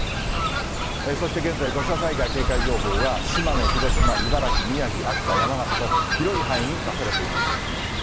そして現在、土砂災害警戒情報が島根、広島、茨城、宮城、秋田、山形と、広い範囲に出されています。